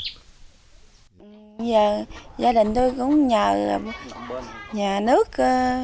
giờ gia đình tôi cũng nhà nước